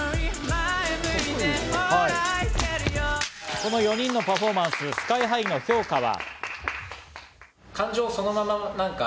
この４人のパフォーマンス、ＳＫＹ−ＨＩの評価は。